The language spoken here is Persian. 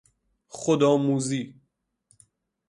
خودآموزی